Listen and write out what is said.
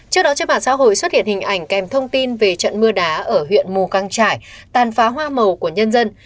trước đó trên mặt xã hội xuất hiện hình ảnh kèm thông tin về trận mưa đá ở huyện mùa căng chảy tàn phá hoa màu của nhân dân